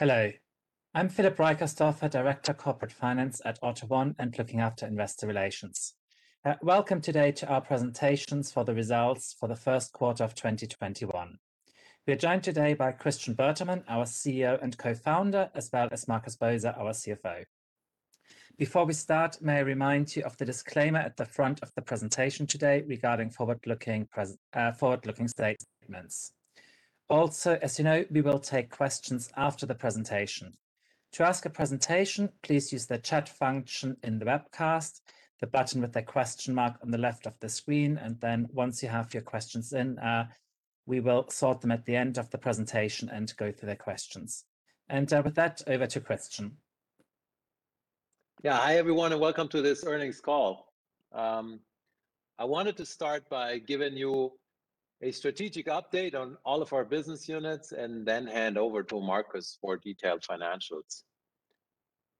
Hello. I'm Philip Reicherstorfer, Director of Corporate Finance at AUTO1 and looking after Investor Relations. Welcome today to our presentations for the results for the first quarter of 2021. We are joined today by Christian Bertermann, our CEO and co-founder, as well as Markus Boser, our CFO. Before we start, may I remind you of the disclaimer at the front of the presentation today regarding forward-looking statements. Also, as you know, we will take questions after the presentation. To ask a question, please use the chat function in the webcast, the button with the question mark on the left of the screen, then once you have your questions in, we will sort them at the end of the presentation and go through the questions. With that, over to Christian. Yeah. Hi, everyone, welcome to this earnings call. I wanted to start by giving you a strategic update on all of our business units and then hand over to Markus for detailed financials.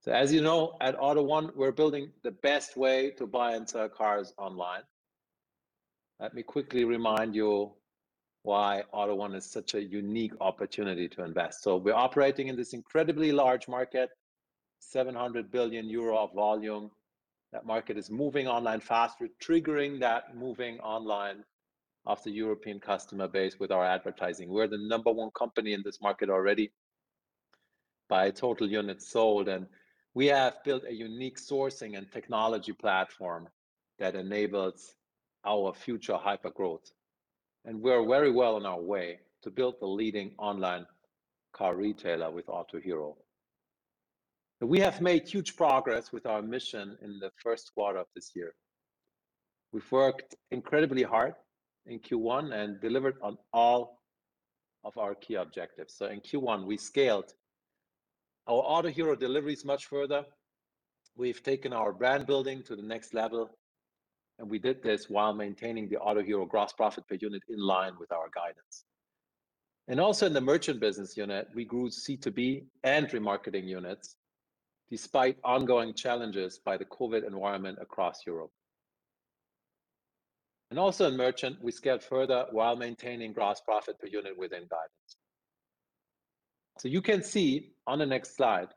As you know, at AUTO1, we're building the best way to buy and sell cars online. Let me quickly remind you why AUTO1 is such a unique opportunity to invest. We're operating in this incredibly large market, 700 billion euro of volume. That market is moving online faster, triggering that moving online of the European customer base with our advertising. We're the number one company in this market already by total units sold, and we have built a unique sourcing and technology platform that enables our future hypergrowth. We're very well on our way to build the leading online car retailer with Autohero. We have made huge progress with our mission in the first quarter of this year. We've worked incredibly hard in Q1 and delivered on all of our key objectives. In Q1, we scaled our Autohero deliveries much further. We've taken our brand building to the next level, and we did this while maintaining the Autohero gross profit per unit in line with our guidance. Also in the merchant business unit, we grew C2B and remarketing units despite ongoing challenges by the COVID environment across Europe. Also in merchant, we scaled further while maintaining gross profit per unit within guidance. You can see on the next slide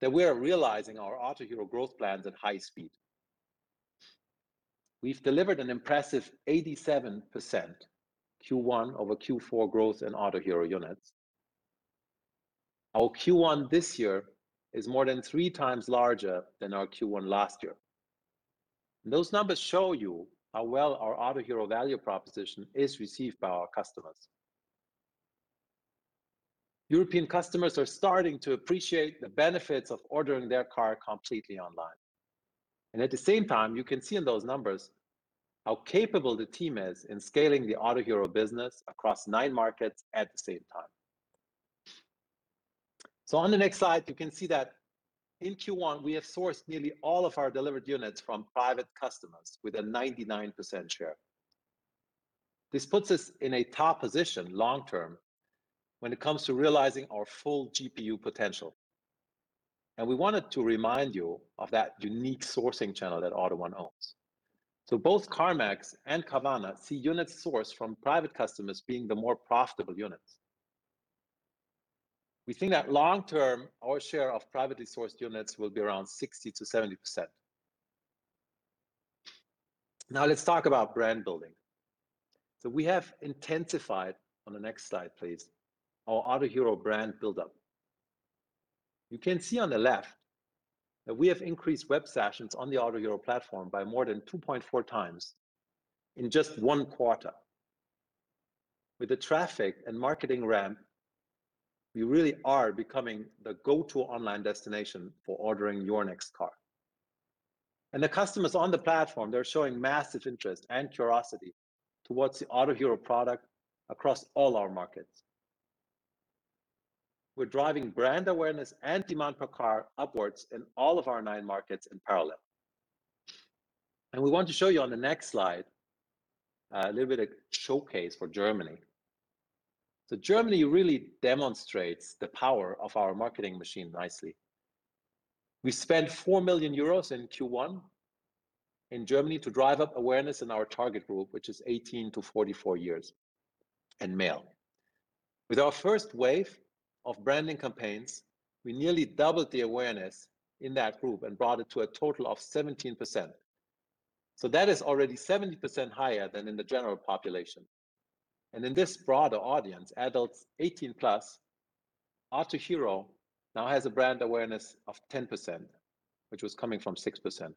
that we are realizing our Autohero growth plans at high speed. We've delivered an impressive 87% Q1-over-Q4 growth in Autohero units. Our Q1 this year is more than three times larger than our Q1 last year. Those numbers show you how well our Autohero value proposition is received by our customers. European customers are starting to appreciate the benefits of ordering their car completely online. At the same time, you can see in those numbers how capable the team is in scaling the Autohero business across nine markets at the same time. On the next slide, you can see that in Q1, we have sourced nearly all of our delivered units from private customers with a 99% share. This puts us in a top position long term when it comes to realizing our full GPU potential. We wanted to remind you of that unique sourcing channel that AUTO1 owns. Both CarMax and Carvana see units sourced from private customers being the more profitable units. We think that long term, our share of privately sourced units will be around 60%-70%. Now let's talk about brand building. We have intensified, on the next slide, please, our Autohero brand buildup. You can see on the left that we have increased web sessions on the Autohero platform by more than 2.4x in just one quarter. With the traffic and marketing ramp, we really are becoming the go-to online destination for ordering your next car. The customers on the platform, they're showing massive interest and curiosity towards the Autohero product across all our markets. We're driving brand awareness and demand per car upwards in all of our nine markets in parallel. We want to show you on the next slide, a little bit of showcase for Germany. Germany really demonstrates the power of our marketing machine nicely. We spent 4 million euros in Q1 in Germany to drive up awareness in our target group, which is 18-44 years old and male. With our first wave of branding campaigns, we nearly doubled the awareness in that group and brought it to a total of 17%. That is already 70% higher than in the general population. In this broader audience, adults 18 plus, Autohero now has a brand awareness of 10%, which was coming from 6%.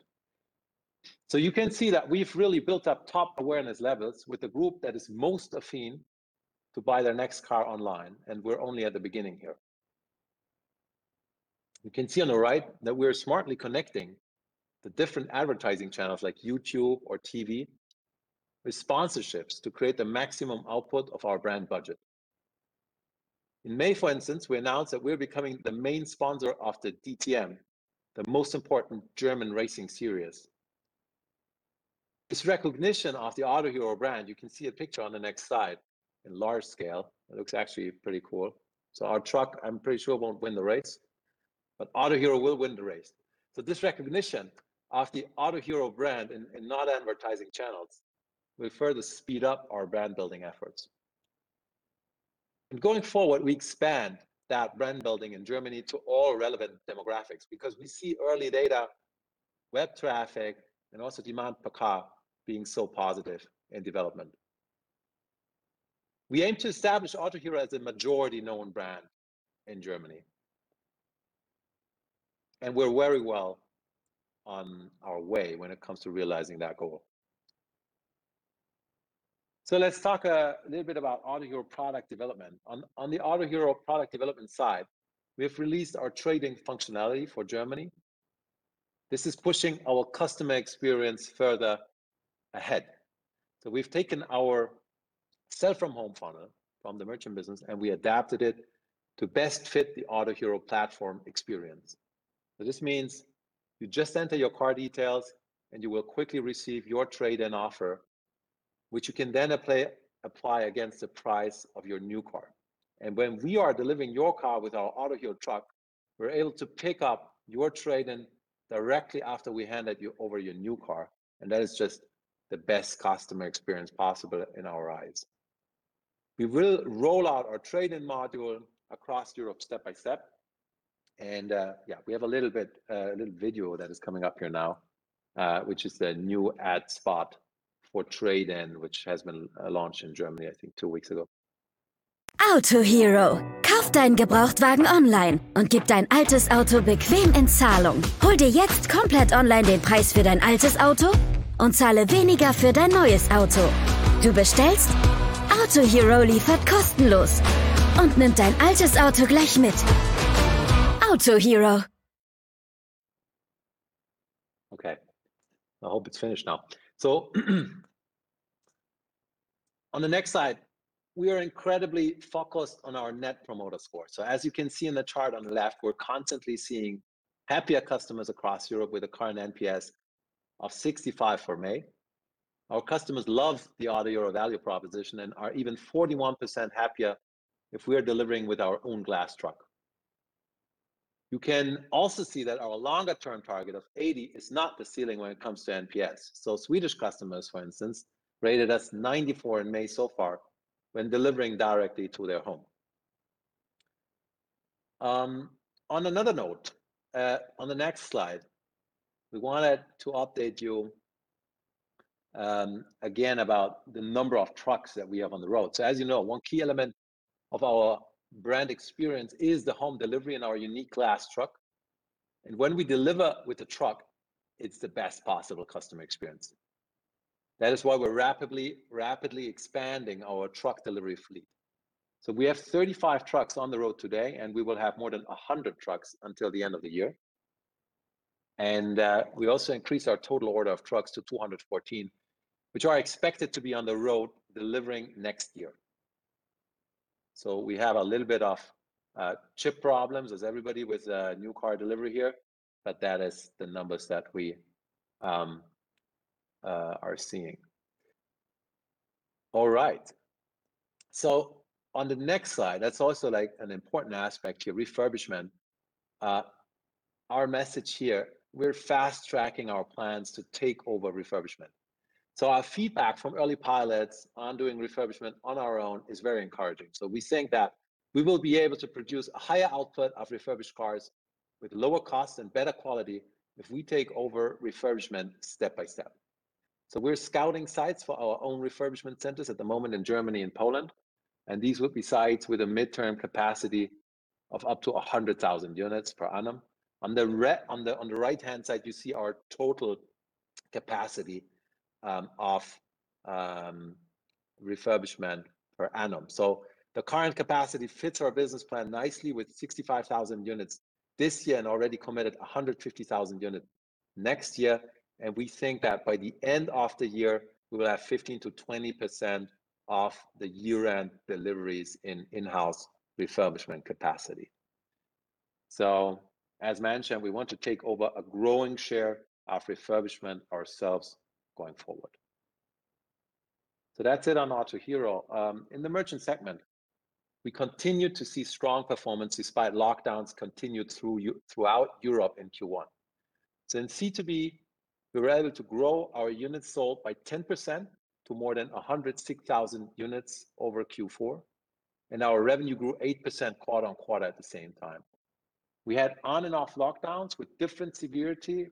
You can see that we've really built up top awareness levels with a group that is most affine to buy their next car online, and we're only at the beginning here. You can see on the right that we're smartly connecting the different advertising channels like YouTube or TV with sponsorships to create the maximum output of our brand budget. In May, for instance, we announced that we're becoming the main sponsor of the DTM, the most important German racing series. This recognition of the Autohero brand, you can see a picture on the next slide in large scale. It looks actually pretty cool. Our truck, I'm pretty sure, won't win the race. Autohero will win the race. This recognition of the Autohero brand in non-advertising channels will further speed up our brand-building efforts. Going forward, we expand that brand building in Germany to all relevant demographics because we see early data, web traffic, and also demand per car being so positive in development. We aim to establish Autohero as a majority known brand in Germany, and we're very well on our way when it comes to realizing that goal. Let's talk a little bit about Autohero product development. On the Autohero product development side, we've released our trade-in functionality for Germany. This is pushing our customer experience further ahead. We've taken our sell-from-home funnel from the merchant business, and we adapted it to best fit the Autohero platform experience. This means you just enter your car details and you will quickly receive your trade-in offer, which you can then apply against the price of your new car. When we are delivering your car with our Autohero truck, we're able to pick up your trade-in directly after we handed you over your new car, and that is just the best customer experience possible in our eyes. We will roll out our trade-in module across Europe step by step, and we have a little video that is coming up here now, which is the new ad spot for trade-in, which has been launched in Germany, I think, two weeks ago. Autohero. Okay. I hope it's finished now. On the next slide, we are incredibly focused on our Net Promoter Score. As you can see in the chart on the left, we're constantly seeing happier customers across Europe with a current NPS of 65 for May. Our customers love the Autohero value proposition and are even 41% happier if we are delivering with our own glass truck. You can also see that our longer-term target of 80 is not the ceiling when it comes to NPS. Swedish customers, for instance, rated us 94 in May so far when delivering directly to their home. Another note, on the next slide, we wanted to update you again about the number of trucks that we have on the road. As you know, one key element of our brand experience is the home delivery in our unique glass truck. When we deliver with the truck, it's the best possible customer experience. That is why we're rapidly expanding our truck delivery fleet. We have 35 trucks on the road today, and we will have more than 100 trucks until the end of the year. We also increased our total order of trucks to 214, which are expected to be on the road delivering next year. We had a little bit of chip problems as everybody with a new car delivery here, but that is the numbers that we are seeing. All right. On the next slide, that's also an important aspect here, refurbishment. Our message here, we're fast-tracking our plans to take over refurbishment. Our feedback from early pilots on doing refurbishment on our own is very encouraging. We think that we will be able to produce a higher output of refurbished cars with lower cost and better quality if we take over refurbishment step by step. We're scouting sites for our own refurbishment centers at the moment in Germany and Poland, and these would be sites with a midterm capacity of up to 100,000 units per annum. On the right-hand side, you see our total capacity of refurbishment per annum. The current capacity fits our business plan nicely with 65,000 units this year and already committed 150,000 units next year. We think that by the end of the year, we'll have 15%-20% of the year-end deliveries in in-house refurbishment capacity. As mentioned, we want to take over a growing share of refurbishment ourselves going forward. That's it on Autohero. In the merchant segment, we continued to see strong performance despite lockdowns continued throughout Europe in Q1. In C2B, we were able to grow our units sold by 10% to more than 106,000 units over Q4, and our revenue grew 8% quarter-on-quarter at the same time. We had on and off lockdowns with different severity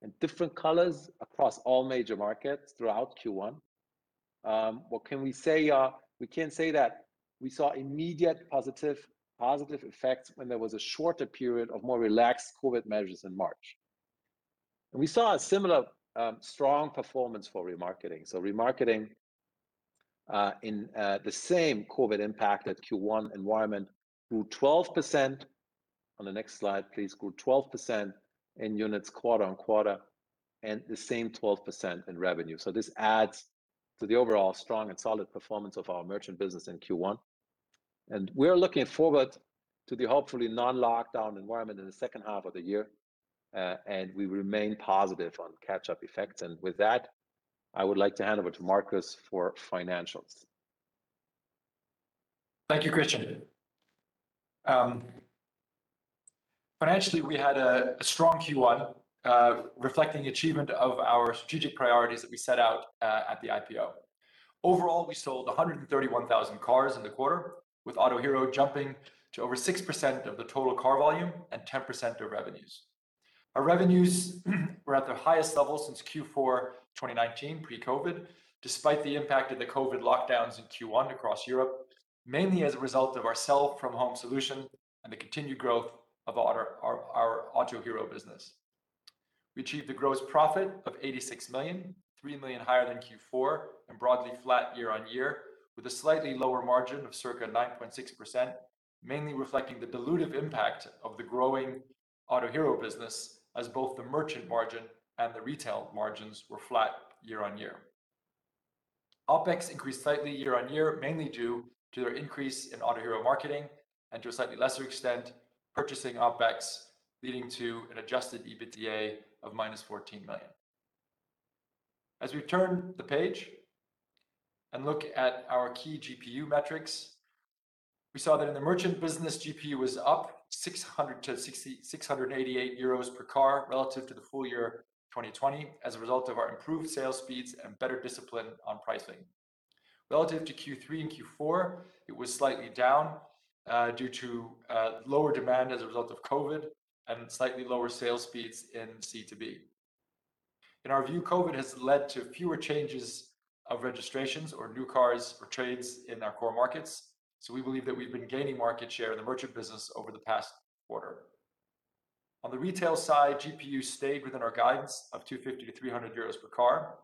and different colors across all major markets throughout Q1. We can say that we saw immediate positive effects when there was a shorter period of more relaxed COVID measures in March. We saw a similar strong performance for remarketing. Remarketing in the same COVID impacted Q1 environment grew 12% on the next slide, please, grew 12% in units quarter-on-quarter and the same 12% in revenue. This adds to the overall strong and solid performance of our merchant business in Q1. We are looking forward to the hopefully non-lockdown environment in the second half of the year, and we remain positive on catch-up effect. With that, I would like to hand over to Markus for financials. Thank you, Christian. Financially, we had a strong Q1, reflecting achievement of our strategic priorities that we set out at the IPO. Overall, we sold 131,000 cars in the quarter, with Autohero jumping to over 6% of the total car volume and 10% of revenues. Our revenues were at their highest level since Q4 2019, pre-COVID, despite the impact of the COVID lockdowns in Q1 across Europe, mainly as a result of our sell-from-home solution and the continued growth of our Autohero business. We achieved a gross profit of 86 million, 3 million higher than Q4 and broadly flat year-on-year, with a slightly lower margin of circa 9.6%, mainly reflecting the dilutive impact of the growing Autohero business as both the merchant margin and the retail margins were flat year-on-year. OPEX increased slightly year-on-year, mainly due to their increase in Autohero marketing and to a slightly lesser extent, purchasing OPEX, leading to an adjusted EBITDA of -14 million. We turn the page and look at our key GPU metrics, we saw that in the merchant business, GPU was up 600-688 euros per car relative to the full year 2020 as a result of our improved sales speeds and better discipline on pricing. Relative to Q3 and Q4, it was slightly down due to lower demand as a result of COVID and slightly lower sales speeds in C2B. In our view, COVID has led to fewer changes of registrations or new cars for trades in our core markets, so we believe that we've been gaining market share in the merchant business over the past quarter. On the retail side, GPU stayed within our guidance of 250-300 euros per car.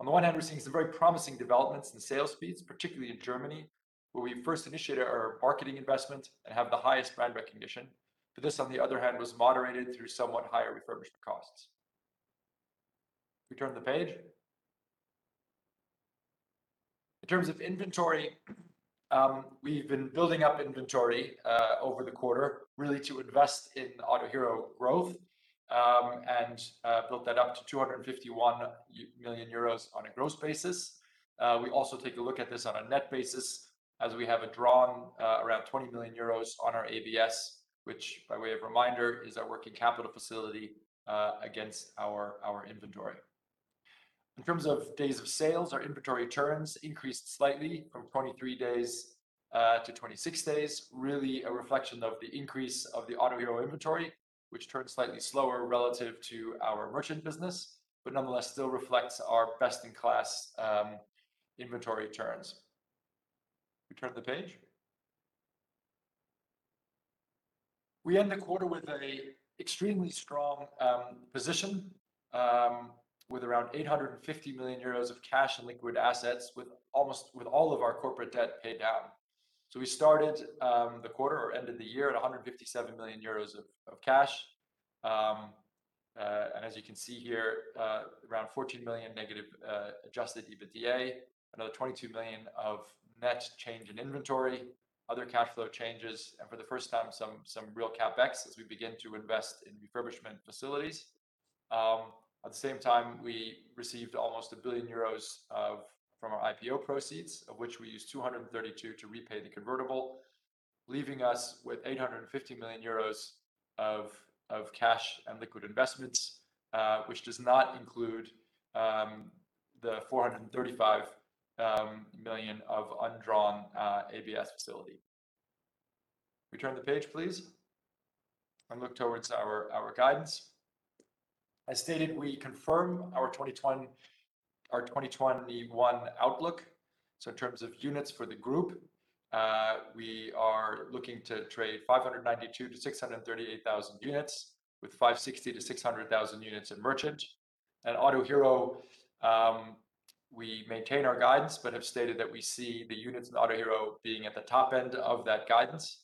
On the one hand, we're seeing some very promising developments in sales speeds, particularly in Germany, where we first initiated our marketing investment and have the highest brand recognition. This, on the other hand, was moderated through somewhat higher refurbishment costs. If we turn the page. In terms of inventory, we've been building up inventory over the quarter really to invest in Autohero growth, and built that up to 251 million euros on a gross basis. We also take a look at this on a net basis as we have it drawn around 20 million euros on our ABS, which by way of reminder, is our working capital facility against our inventory. In terms of days of sales, our inventory turns increased slightly from 23 days to 26 days. Really a reflection of the increase of the Autohero inventory, which turned slightly slower relative to our merchant business, but nonetheless, still reflects our best-in-class inventory turns. If we turn the page. We end the quarter with an extremely strong position, with around 850 million euros of cash and liquid assets with all of our corporate debt paid down. We started the quarter or end of the year at 157 million euros of cash. As you can see here, around 14 million negative adjusted EBITDA, another 22 million of net change in inventory, other cash flow changes, and for the first time, some real CapEx as we begin to invest in refurbishment facilities. At the same time, we received almost 1 billion euros from our IPO proceeds, of which we used 232 million to repay the convertible, leaving us with 850 million euros of cash and liquid investments, which does not include the 435 million of undrawn ABS facility. We turn the page, please, and look towards our guidance. I stated we confirm our 2021 outlook. In terms of units for the group, we are looking to trade 592,000-638,000 units, with 560,000-600,000 units in merchant. Autohero, we maintain our guidance but have stated that we see the units in Autohero being at the top end of that guidance.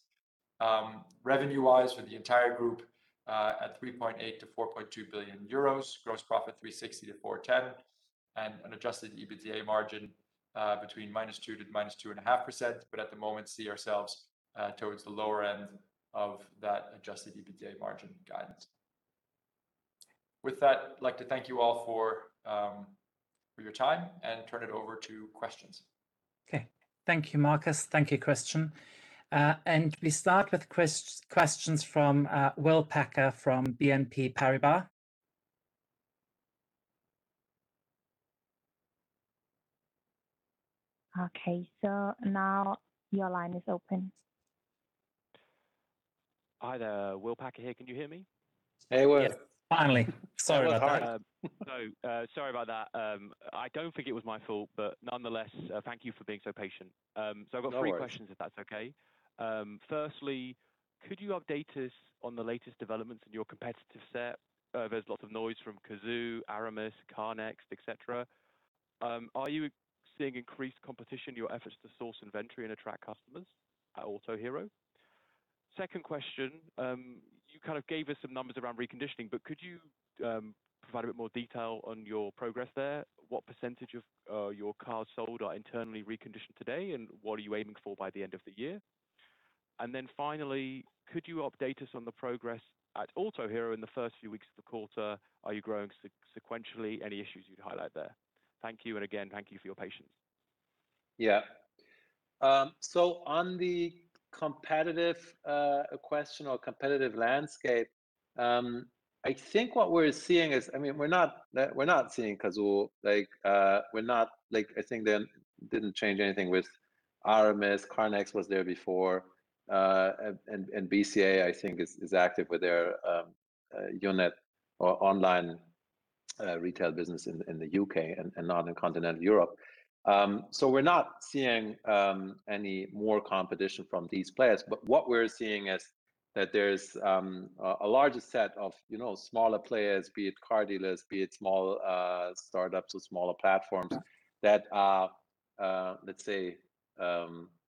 Revenue-wise, for the entire group, at 3.8 billion-4.2 billion euros, gross profit 360 million-410 million, and an adjusted EBITDA margin between -2% to -2.5%, but at the moment see ourselves towards the lower end of that adjusted EBITDA margin guidance. With that, I'd like to thank you all for your time and turn it over to questions. Okay. Thank you, Markus. Thank you, Christian. We start with questions from William Packer from BNP Paribas. Okay, now your line is open. Hi there. William Packer here. Can you hear me? Hey, Will. Finally. Sorry about that. No, sorry about that. I don't think it was my fault, but nonetheless, thank you for being so patient. No worries. I've got three questions, if that's okay. Firstly, could you update us on the latest developments in your competitive set? There's lots of noise from Cazoo, Aramis, CarNext, et cetera. Are you seeing increased competition in your efforts to source inventory and attract customers at Autohero? Second question, you kind of gave us some numbers around reconditioning, but could you provide a bit more detail on your progress there? What percentage of your cars sold are internally reconditioned today, and what are you aiming for by the end of the year? Finally, could you update us on the progress also here in the first few weeks of the quarter? Are you growing sequentially? Any issues you can highlight there? Thank you. Again, thank you for your patience. Yeah. On the competitive question or competitive landscape, I think what we're seeing is, we're not seeing Cazoo. I think that didn't change anything with Aramis. CarNext was there before. BCA, I think is active with their unit or online retail business in the U.K. and Northern Continental Europe. We're not seeing any more competition from these players. What we're seeing is that there's a larger set of smaller players, be it car dealers, be it small startups or smaller platforms that are, let's say,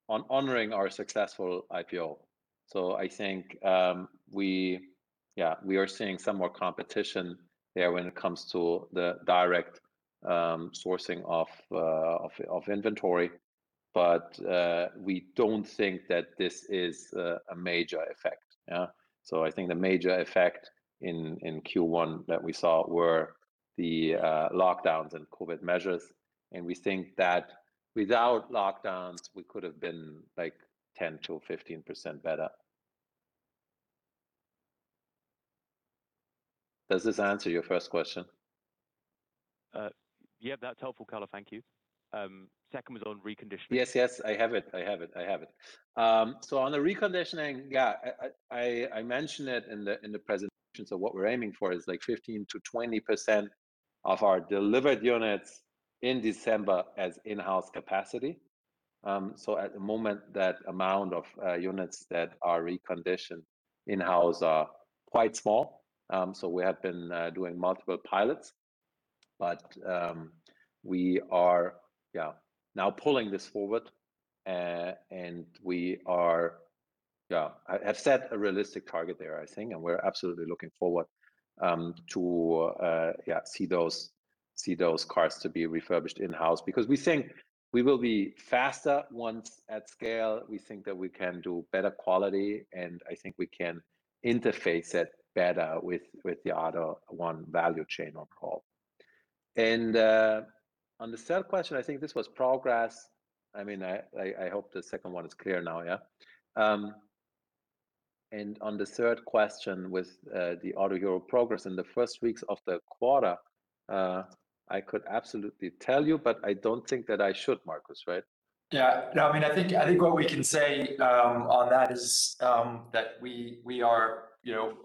honoring our successful IPO. I think we are seeing some more competition there when it comes to the direct sourcing of inventory. We don't think that this is a major effect. Yeah. I think a major effect in Q1 that we saw were the lockdowns and COVID measures, and we think that without lockdowns, we could have been 10%-15% better. Does this answer your first question? Yeah. That's helpful color. Thank you. Second was on reconditioning. Yes, I have it. On the reconditioning, I mentioned it in the presentation. What we're aiming for is 15%-20% of our delivered units in December as in-house capacity. At the moment, that amount of units that are reconditioned in-house are quite small. We have been doing multiple pilots, but we are now pulling this forward, and I've set a realistic target there, I think. We're absolutely looking forward to see those cars to be refurbished in-house because we think we will be faster once at scale. We think that we can do better quality, and I think we can interface it better with the AUTO1 value chain on call. On the third question, I think this was progress. I hope the second one is clear now. On the third question with the AUTO1 Group progress in the first weeks of the quarter, I could absolutely tell you, but I don't think that I should, Markus, right? Yeah, I think what we can say on that is that we are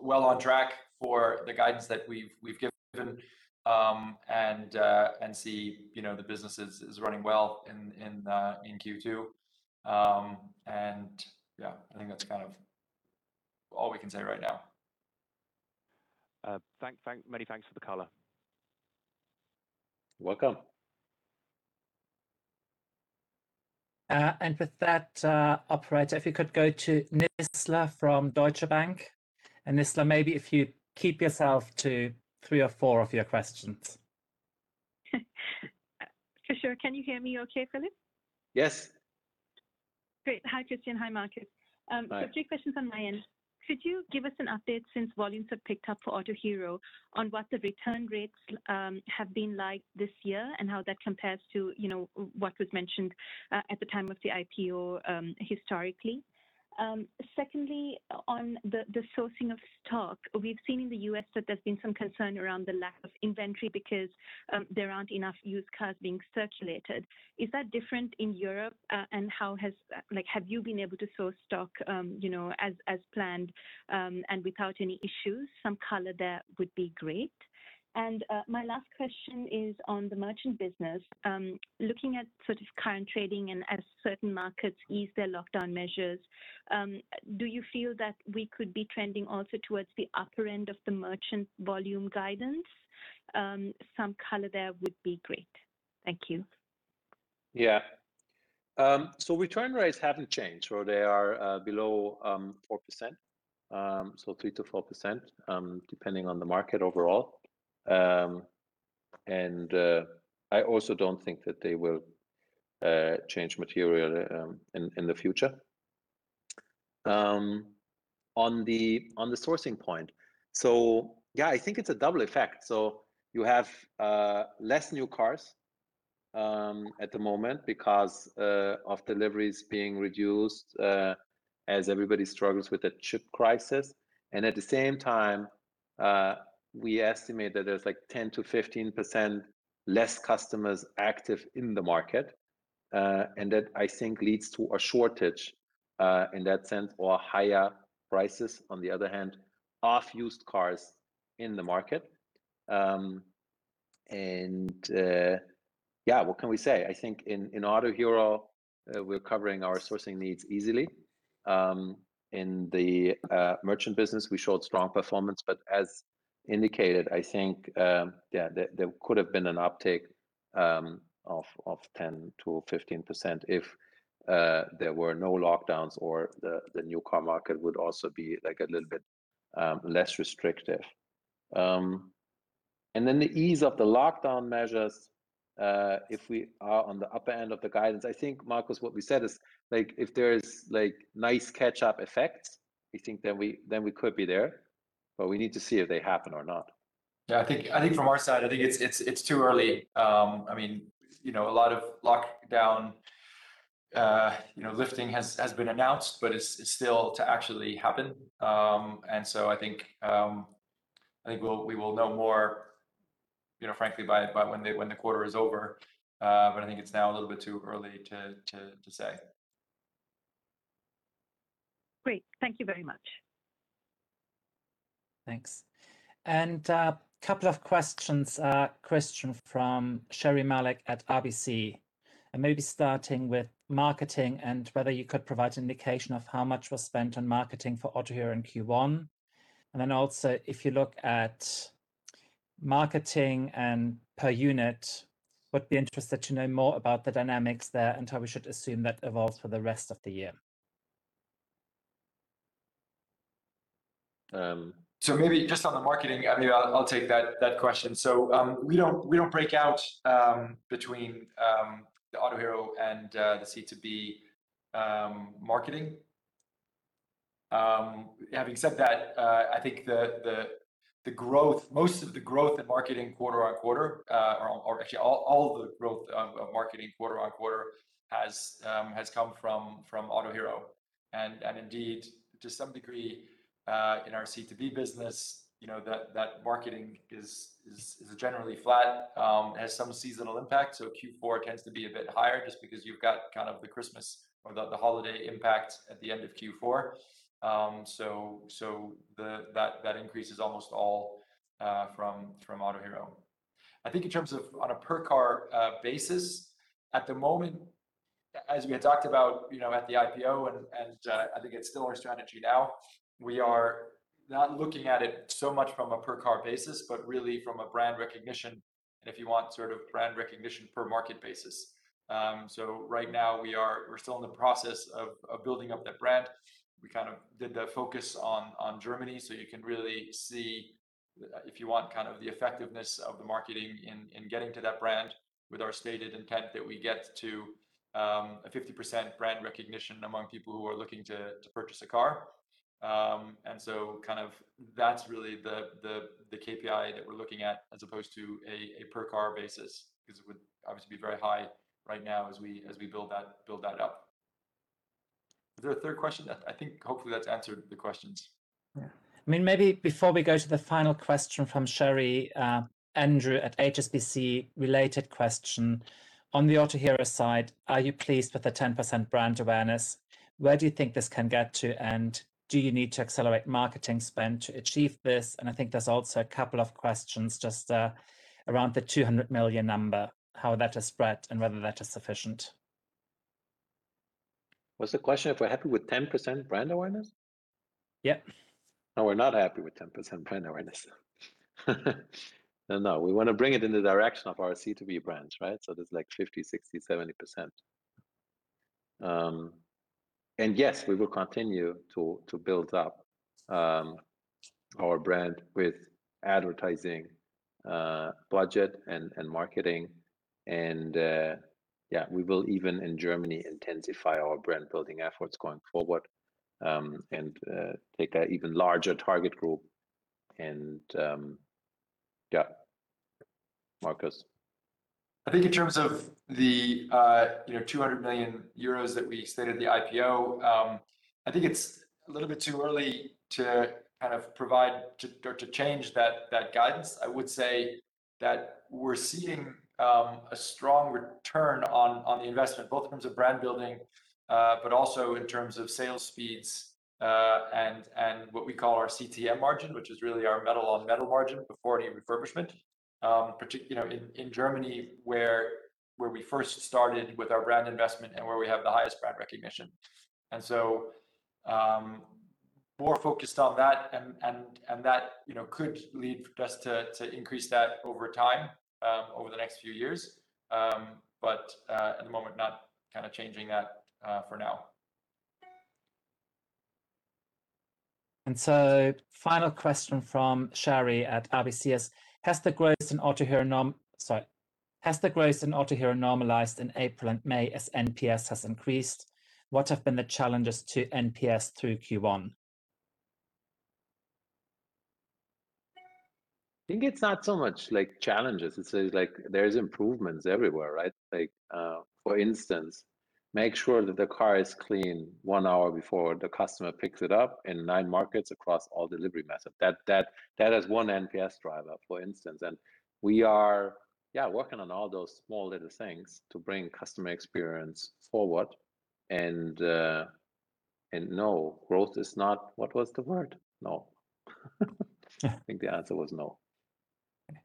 well on track for the guidance that we've given, and the business is running well in Q2. Yeah, I think that's all we can say right now. Many thanks for the color. Welcome. With that, operator, if you could go to Nizla from Deutsche Bank. Nizla, maybe if you keep yourself to three or four of your questions. For sure. Can you hear me okay, Philip? Yes. Great. Hi, Christian. Hi, Markus. Hi. Two questions on my end. Could you give us an update since volumes have picked up for AUTO1 Group on what the return rates have been like this year and how that compares to what was mentioned at the time of the IPO, historically. Secondly, on the sourcing of stock, we've seen in the U.S. that there's been some concern around the lack of inventory because there aren't enough used cars being circulated. Is that different in Europe? Have you been able to source stock as planned and without any issues? Some color there would be great. My last question is on the merchant business. Looking at sort of current trading and as certain markets ease their lockdown measures, do you feel that we could be trending also towards the upper end of the merchant volume guidance? Some color there would be great. Thank you. Return rates haven't changed, they are below 4%, 3%-4%, depending on the market overall. I also don't think that they will change materially in the future. On the sourcing point. I think it's a double effect. You have less new cars at the moment because of deliveries being reduced as everybody struggles with the chip crisis. At the same time, we estimate that there's 10%-15% less customers active in the market. That I think leads to a shortage in that sense or higher prices, on the other hand, of used cars in the market. What can we say? I think in AUTO1 Group, we're covering our sourcing needs easily. In the merchant business, we showed strong performance, but as indicated, I think there could have been an uptick of 10%-15% if there were no lockdowns or the new car market would also be a little bit less restrictive. The ease of the lockdown measures, if we are on the upper end of the guidance, I think, Markus, what we said is, if there's nice catch-up effects, we think then we could be there. We need to see if they happen or not. Yeah, I think from our side, I think it is too early. A lot of lockdown lifting has been announced, but it is still to actually happen. I think we will know more, frankly, by when the quarter is over. I think it is now a little bit too early to say. Great. Thank you very much. Thanks. A couple of questions. A question from Sherri Malek at RBC, and maybe starting with marketing and whether you could provide indication of how much was spent on marketing for Autohero in Q1. Then also, if you look at marketing and per unit, would be interested to know more about the dynamics there and how we should assume that evolves for the rest of the year. Maybe just on the marketing, I'll take that question. We don't break out between the Autohero and the C2B marketing. Having said that, I think most of the growth in marketing quarter-on-quarter or actually all of the growth of marketing quarter-on-quarter has come from Autohero. Indeed, to some degree, in our C2B business, that marketing is generally flat. It has some seasonal impact, Q4 tends to be a bit higher just because you've got kind of the Christmas or the holiday impact at the end of Q4. That increase is almost all from Autohero. I think in terms of on a per car basis, at the moment, as we had talked about at the IPO, and I think it's still our strategy now, we are not looking at it so much from a per car basis, but really from a brand recognition, and if you want sort of brand recognition per market basis. Right now we're still in the process of building up that brand. We kind of did the focus on Germany, so you can really see if you want the effectiveness of the marketing in getting to that brand with our stated intent that we get to a 50% brand recognition among people who are looking to purchase a car. That's really the KPI that we're looking at as opposed to a per car basis, because it would obviously be very high right now as we build that up. Is there a third question? I think hopefully that's answered the questions. Maybe before we go to the final question from Sherri, Andrew at HSBC, related question. On the Autohero side, are you pleased with the 10% brand awareness? Where do you think this can get to, do you need to accelerate marketing spend to achieve this? I think there's also a couple of questions just around the 200 million number, how that is spread and whether that is sufficient. Was the question if we're happy with 10% brand awareness? Yeah. No, we're not happy with 10% brand awareness. No, we want to bring it in the direction of our C2B brands, right? There's like 50%, 60%, 70%. Yes, we will continue to build up our brand with advertising budget and marketing. Yeah, we will even in Germany intensify our brand building efforts going forward, and take an even larger target group. Yeah. Markus. I think in terms of the 200 million euros that we stated at the IPO, I think it's a little bit too early to provide or to change that guidance. I would say that we're seeing a strong return on investment, both in terms of brand building, but also in terms of sales speeds, and what we call our CTM margin, which is really our metal on metal margin before any refurbishment, particularly in Germany, where we first started with our brand investment and where we have the highest brand recognition. More focused on that, and that could lead us to increase that over time, over the next few years. At the moment, not changing that for now. Final question from Sherri at RBC is, has the growth in Autohero normalized in April and May as NPS has increased? What have been the challenges to NPS through Q1? I think it's not so much challenges. It's like there's improvements everywhere, right? For instance, make sure that the car is clean one hour before the customer picks it up in nine markets across all delivery methods. That is one NPS driver, for instance. We are working on all those small little things to bring customer experience forward. No, growth is not, what was the word? No. I think the answer was no. Okay.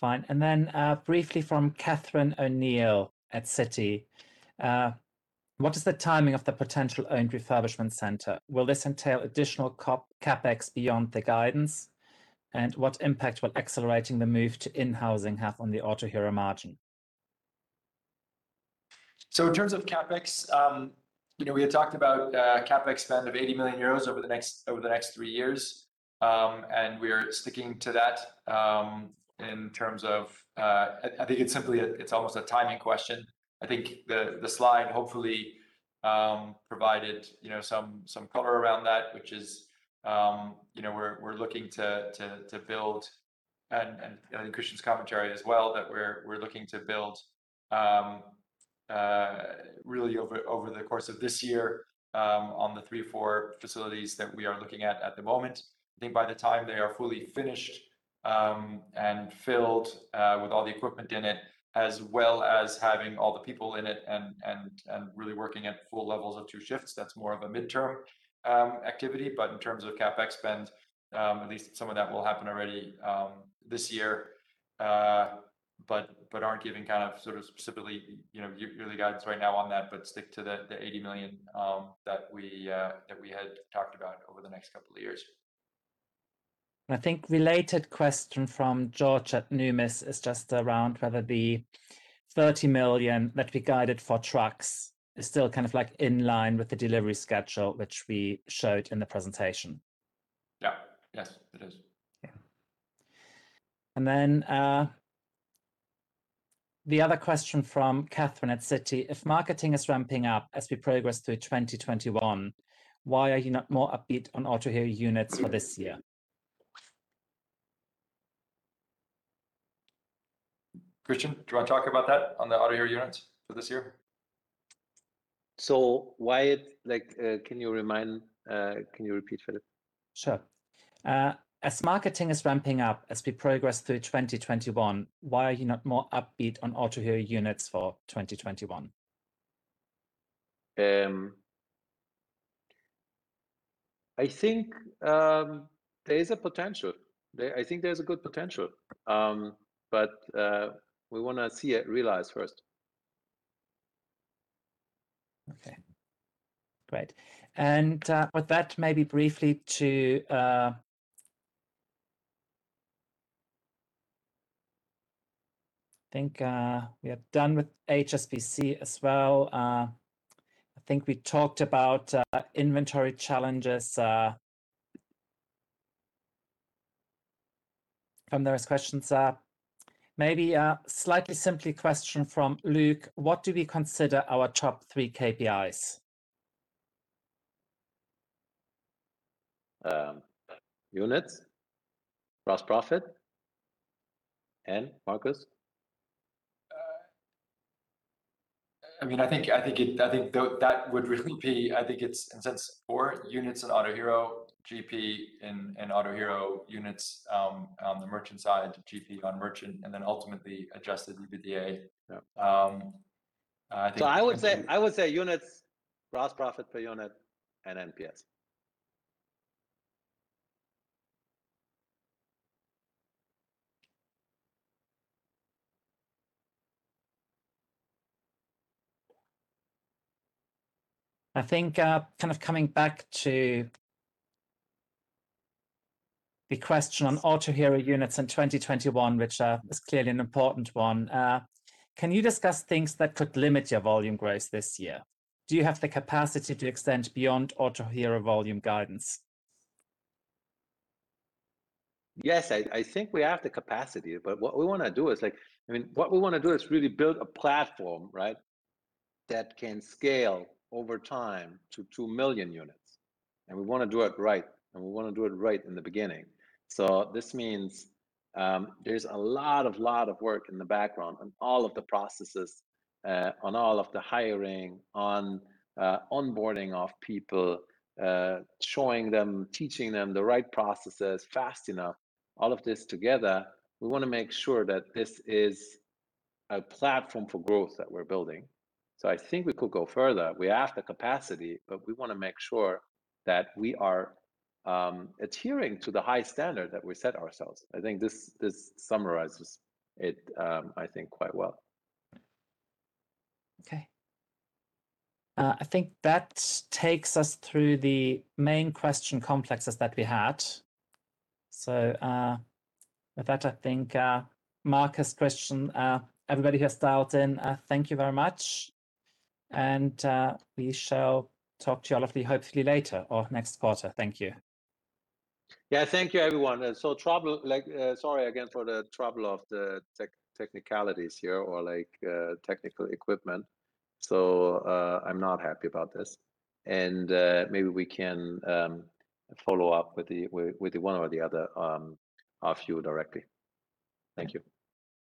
Fine. Briefly from Catherine O'Neill at Citi. What is the timing of the potential owned refurbishment center? Will this entail additional CapEx beyond the guidance? What impact will accelerating the move to in-housing have on the Autohero margin? In terms of CapEx, we had talked about a CapEx spend of 80 million euros over the next three years, and we're sticking to that. I think it's almost a timing question. I think the slide hopefully provided some color around that, which is we're looking to build, and Christian's commentary as well, that we're looking to build really over the course of this year on the three or four facilities that we are looking at at the moment. I think by the time they are fully finished and filled with all the equipment in it, as well as having all the people in it and really working at full levels of two shifts, that's more of a midterm activity. In terms of CapEx spend, at least some of that will happen already this year. We aren't giving specifically yearly guidance right now on that, but stick to the 80 million that we had talked about over the next couple of years. I think related question from George at Numis is just around whether the 30 million that we guided for trucks is still in line with the delivery schedule which we showed in the presentation. Yeah. Yes, it is. Yeah. The other question from Catherine at Citi, if marketing is ramping up as we progress through 2021, why are you not more upbeat on Autohero units for this year? Christian, do you want to talk about that on the Autohero units for this year? Can you repeat, Philip? Sure. As marketing is ramping up as we progress through 2021, why are you not more upbeat on Autohero units for 2021? I think there's a potential. I think there's a good potential, but we want to see it realized first. Okay, great. With that, I think we are done with HSBC as well. I think we talked about inventory challenges from those questions. Maybe a slightly simpler question from Luke, what do we consider our top three KPIs? Units, gross profit. Markus? I think that would really be, I think it's four units in Autohero, GP in Autohero, units on the merchant side, GP on merchant, and then ultimately adjusted EBITDA. I would say units, gross profit per unit, and NPS. I think, coming back to the question on Autohero units in 2021, which is clearly an important one. Can you discuss things that could limit your volume growth this year? Do you have the capacity to extend beyond Autohero volume guidance? Yes, I think we have the capacity, but what we want to do is really build a platform, right, that can scale over time to 2 million units, and we want to do it right, and we want to do it right in the beginning. This means there's a lot of work in the background on all of the processes, on all of the hiring, on onboarding of people, showing them, teaching them the right processes fast enough, all of this together. We want to make sure that this is a platform for growth that we're building. I think we could go further. We have the capacity, but we want to make sure that we are adhering to the high standard that we set ourselves. I think this summarizes it quite well. Okay. I think that takes us through the main question complexes that we had. With that, I think, Markus, Christian, everybody who has dialed in, thank you very much. We shall talk to you all hopefully later or next quarter. Thank you. Yeah, thank you, everyone. Sorry again for the trouble of the technicalities here or technical equipment. I'm not happy about this. Maybe we can follow up with the one or the other of you directly. Thank you.